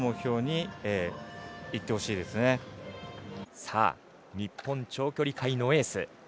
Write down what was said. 日本長距離界のエース。